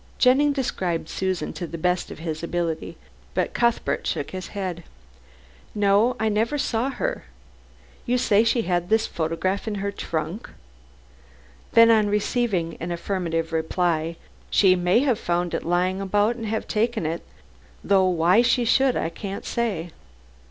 Jennings described Susan to the best of his ability, but Cuthbert shook his head. "No, I never saw her. You say she had this photograph in her trunk?" Then, on receiving an affirmative reply, "She may have found it lying about and have taken it, though why she should I can't say."